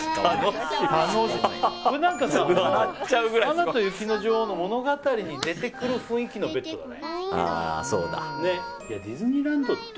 「アナと雪の女王」の物語に出てくる雰囲気のベッドだね。